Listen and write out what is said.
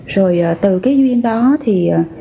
rồi từ cái duyên đó thì